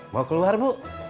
mau keluar bu